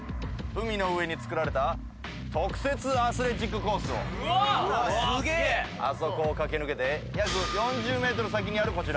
海の上につくられた特設アスレチックコースをあそこを駆け抜けて約４０ｍ先にあるこちら。